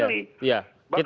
jadi kita harus memilih